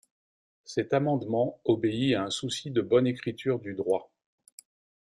Cet amendement obéit à un souci de bonne écriture du droit.